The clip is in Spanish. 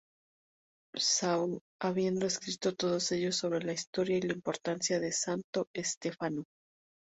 Szabó habiendo escrito todos ellos sobre la historia y la importancia de Santo Stefano.